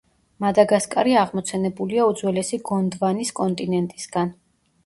მადაგასკარი აღმოცენებულია უძველესი გონდვანის კონტინენტისგან.